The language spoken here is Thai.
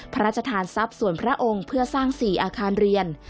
พระราชทานทรัพย์ส่วนพระองค์เพื่อสร้าง๔อาคารเรียน